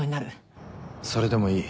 それでもいい。